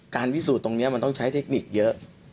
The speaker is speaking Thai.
พิสูจน์ตรงนี้มันต้องใช้เทคนิคเยอะ